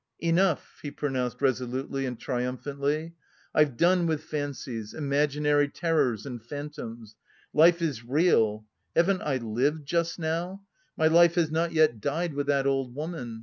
"Enough," he pronounced resolutely and triumphantly. "I've done with fancies, imaginary terrors and phantoms! Life is real! haven't I lived just now? My life has not yet died with that old woman!